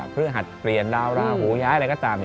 เพื่อหัดเปลี่ยนดาวราหูย้ายอะไรก็ตาม